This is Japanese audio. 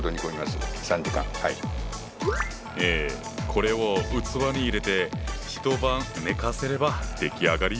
これを器に入れて一晩寝かせれば出来上がり。